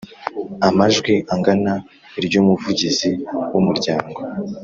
amajwi angana iry Umuvugizi w umuryango